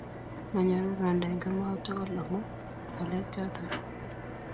manyor rwondo eng' kemeut tugul amun ngalek choton